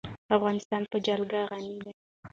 افغانستان په جلګه غني دی.